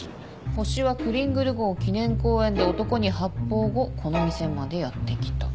ホシはクリングル号記念公園で男に発砲後この店までやって来た。